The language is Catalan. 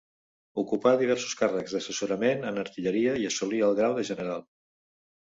Ocupà diversos càrrecs d'assessorament en artilleria i assolí el grau de general.